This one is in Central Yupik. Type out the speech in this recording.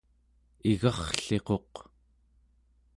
igarrliquq